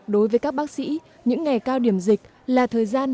đối với các bác sĩ những ngày cao điểm dịch là thời gian